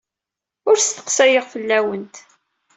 Ur sseqsayeɣ fell-awent.